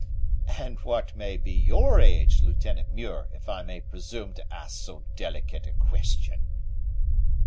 "And what may be your age, Lieutenant Muir, if I may presume to ask so delicate a question?"